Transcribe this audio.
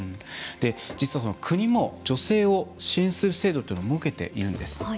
実は、国も女性を支援する制度というのを設けているんです。